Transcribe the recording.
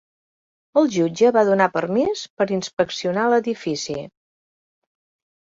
El jutge va donar permís per inspeccionar l'edifici.